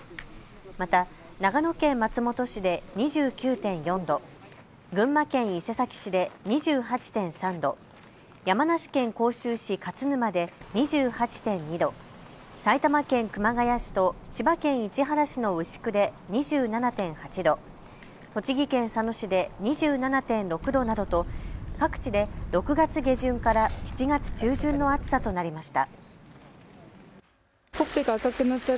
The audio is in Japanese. また長野県松本市で２９．４度、群馬県伊勢崎市で２８．３度、山梨県甲州市勝沼で２８．２度、埼玉県熊谷市と千葉県市原市の牛久で２７．８度、栃木県佐野市で２７．６度などと各地で６月下旬から７月中旬の暑さとなりました。